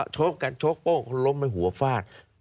โชคกันโชคโป้งล้มไปหัวฟาด